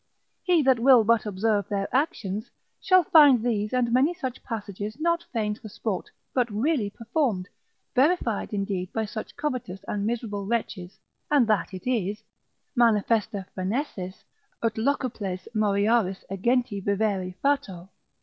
He that will but observe their actions, shall find these and many such passages not feigned for sport, but really performed, verified indeed by such covetous and miserable wretches, and that it is, ———manifesta phrenesis Ut locuples moriaris egenti vivere fato.